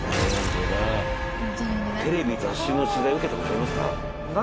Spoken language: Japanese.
テレビ・雑誌の取材受けた事ありますか？